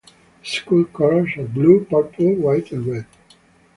The school colors are blue, purple, white and red.